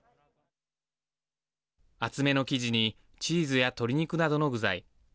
厚めの生地にチーズや鶏肉などの具材。